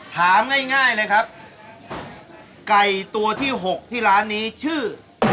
ถามง่ายเลยครับไก่ตัวที่๖ที่ร้านนี้ชื่อ